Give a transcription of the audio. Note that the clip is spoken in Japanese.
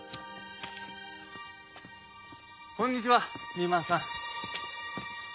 こんにちは三馬さん。